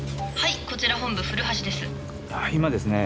はいこちら本部古橋です。